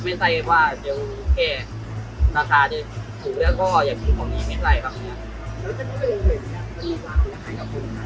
ไม่ใช่ว่าเจียวแค่ราคาที่ถูกแล้วก็อยากกินของนี้ไม่ใช่ครับเนี้ย